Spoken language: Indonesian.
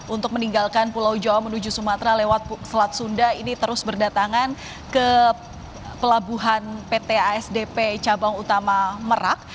untuk meninggalkan pulau jawa menuju sumatera lewat selat sunda ini terus berdatangan ke pelabuhan pt asdp cabang utama merak